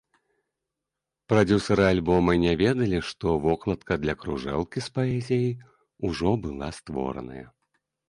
Прадзюсары альбома не ведалі, што вокладка для кружэлкі з паэзіяй ужо была створаная.